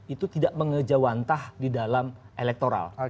itu tidak mengejawantah di dalam elektoral